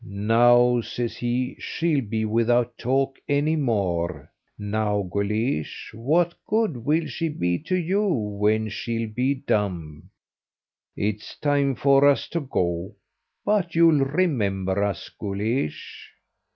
"Now," says he, "she'll be without talk any more; now, Guleesh, what good will she be to you when she'll be dumb? It's time for us to go but you'll remember us, Guleesh!"